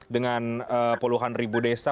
dengan puluhan ribu desa